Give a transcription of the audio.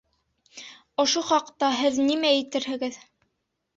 Ошо хаҡта һеҙ нимә әйтерһегеҙ?